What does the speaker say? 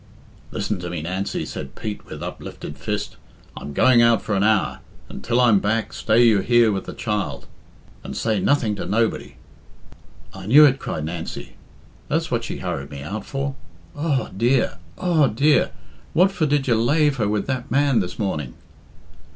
"Listen to me, Nancy," said Pete, with uplifted fist. "I'm going out for an hour, and till I'm back, stay you here with the child, and say nothing to nobody." "I knew it!" cried Nancy. "That's what she hurried me out for. Aw, dear! Aw, dear! What for did you lave her with that man this morning?"